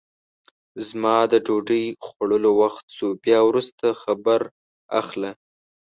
زما د ډوډۍ خوړلو وخت سو بیا وروسته خبر اخله!